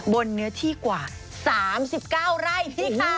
เนื้อที่กว่า๓๙ไร่พี่ค่ะ